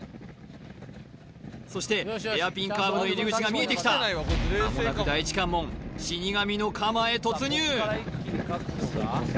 そしてヘアピンカーブの入り口が見えてきたまもなく第一関門死神の鎌へ突入コース